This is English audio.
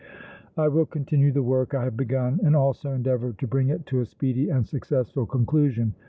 "I will continue the work I have begun and also endeavor to bring it to a speedy and successful conclusion.